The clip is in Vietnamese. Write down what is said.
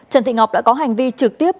trần thị ngọc đã có hành vi trực tiếp